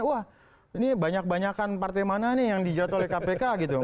wah ini banyak banyakan partai mana nih yang dijerat oleh kpk gitu